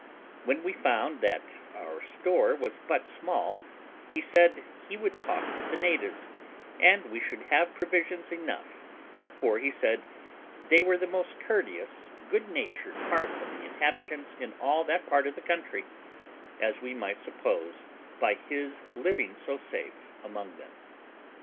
When he found that our store was but small, he said he would talk with the natives, and we should have provisions enough; for he said they were the most courteous, good natured part of the inhabitants in all that part of the country, as we might suppose by his living so safe among them.